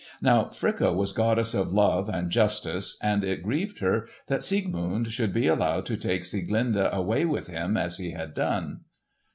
Now Fricka was goddess of love and justice, and it grieved her that Siegmund should be allowed to take Sieglinde away with him as he had done.